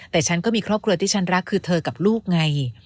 แต่ฉันก็มีครอบครัวที่ฉันรักคือเธอกับลูกไง